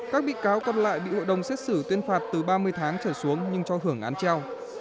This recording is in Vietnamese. các bị cáo còn lại bị hội đồng xét xử tuyên phạt từ ba mươi tháng trở xuống nhưng cho hưởng án treo